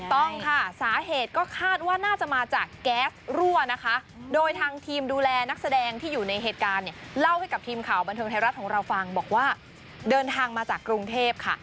ต้องค่ะสาเหตุก็คาดว่าน่าจะมาจากแก๊สรั่วนะคะโดยทางทีมดูแลนักแสดงที่อยู่ในเหตุการณ์เนี่ยเล่าให้กับทีมข่าวบันเทิงไทยรัฐของเราฟังบอกว่าเดินทางมาจากกรุงเทพค่ะ